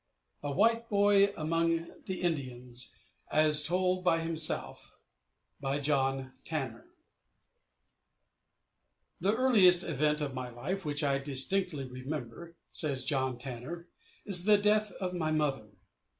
A WHITE BOY AMONG THE INDIANS, AS TOLD BY HIMSELF By John Tanner The earliest event of my life which I distinctly remember (says John Tanner) is the death of my mother.